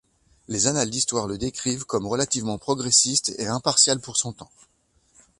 Les Annales d'histoire le décrivent comme relativement progressiste et impartial pour son temps.